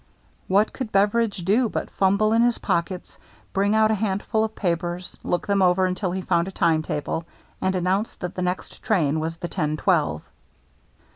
" What could Beveridge do but fumble in his pockets, bring out a handful of papers, look them over until he found a time table, and announce that the next train was the ten twelve